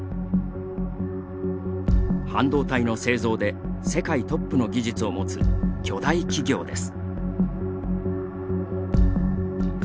半導体の製造で世界トップの技術を持つ巨大企業です。